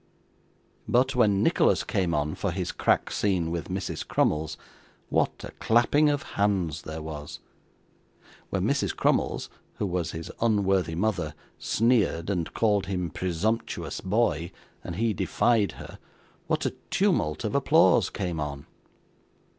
But when Nicholas came on for his crack scene with Mrs. Crummles, what a clapping of hands there was! When Mrs. Crummles (who was his unworthy mother), sneered, and called him 'presumptuous boy,' and he defied her, what a tumult of applause came on!